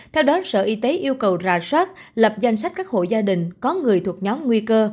theo đó sở y tế yêu cầu rà soát lập danh sách các hộ gia đình có người thuộc nhóm nguy cơ